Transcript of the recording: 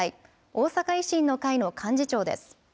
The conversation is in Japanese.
大阪維新の会の幹事長です。